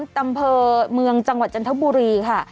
อำเภอเมืองจังหวัดจันทบุรีค่ะ